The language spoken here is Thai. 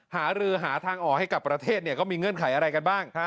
หารือหาทางออกให้กับประเทศก็มีเงื่อนไขอะไรกันบ้าง